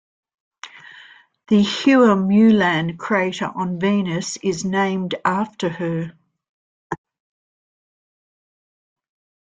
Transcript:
The Hua Mulan crater on Venus is named after her.